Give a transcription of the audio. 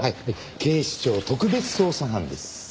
警視庁特別捜査班です。